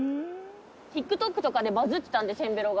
ＴｉｋＴｏｋとかでバズってたんでせんべろが。